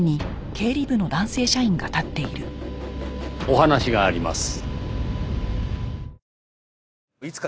お話があります。